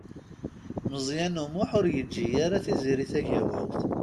Meẓyan U Muḥ ur yeǧǧi ara Tiziri Tagawawt.